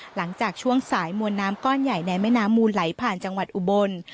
หลังจากช่วงสายมวลน้ำก้อนใหญ่ในแม่น้ำมูลไหลผ่านจังหวัดอุบล